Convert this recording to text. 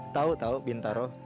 tahu tahu bintaro